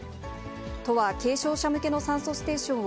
都は軽症者向けの酸素ステーションを、